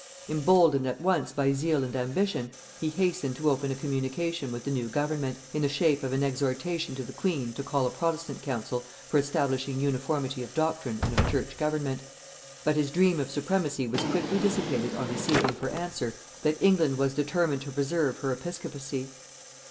Emboldened at once by zeal and ambition, he hastened to open a communication with the new government, in the shape of an exhortation to the queen to call a protestant council for establishing uniformity of doctrine and of church government; but his dream of supremacy was quickly dissipated on receiving for answer, that England was determined to preserve her episcopacy.